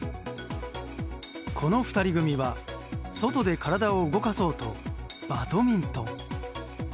この２人組は外で体を動かそうとバドミントン。